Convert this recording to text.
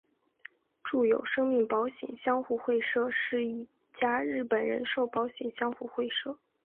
住友生命保险相互会社是一家日本人寿保险相互会社。